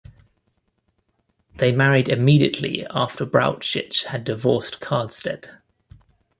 They married immediately after Brauchitsch had divorced Karstedt.